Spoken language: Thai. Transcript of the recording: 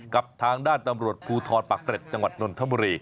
กับทางด้านตำรวจภูทรปากเกร็ดจังหวัดนนทบุรี